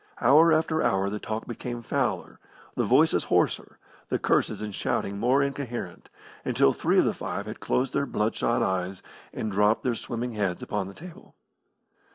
Hour after hour the talk became fouler, the voices hoarser, the curses and shoutings more incoherent, until three of the five had closed their blood shot eyes, and dropped their swimming heads upon the table.